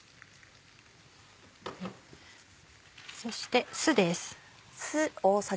そして酢です。